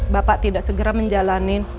bapak tidak segera menjalani